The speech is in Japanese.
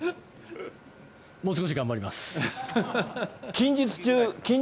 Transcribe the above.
もう少し頑張ります。